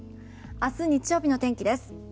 明日日曜日の天気です。